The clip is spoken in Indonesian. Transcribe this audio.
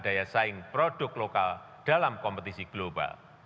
daya saing produk lokal dalam kompetisi global